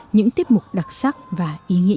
những tiết mục đặc sắc và ý nghĩa